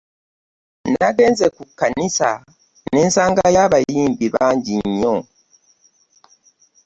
Nagenze ku kkanisa ne nsangayo abayimbi bangi nnyo.